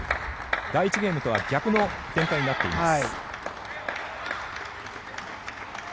第１ゲームとは逆の展開になっています。